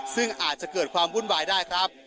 ซึ่งอาจจะเกิดความวุ่นวายได้ครับ